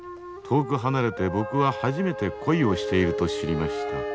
遠く離れて僕は初めて恋をしていると知りました」。